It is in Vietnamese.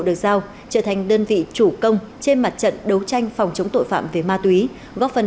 được giao trở thành đơn vị chủ công trên mặt trận đấu tranh phòng chống tội phạm về ma túy góp phần